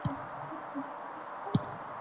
په روژه کې د نفلي عباداتو ډیروالی مستحب دی